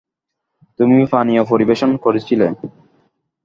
তুমি পানীয় পরিবেশন করছিলে।